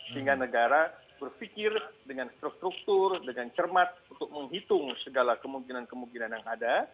sehingga negara berpikir dengan struktur dengan cermat untuk menghitung segala kemungkinan kemungkinan yang ada